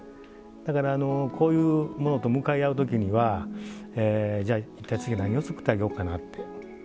だからこういうものと向かい合うときにはじゃあ一体次は何を作ってあげようかなって。